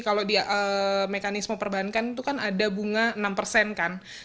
kalau di mekanisme perbankan itu kan ada bunga enam persen kan